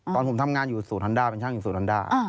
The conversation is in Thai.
ตอนผมทำงานอยู่ศูนย์ฮอนด้าเป็นช่างอยู่ฮันดา